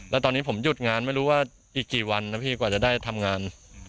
แล้วตอนนี้ผมหยุดงานไม่รู้ว่าอีกกี่วันนะพี่กว่าจะได้ทำงาน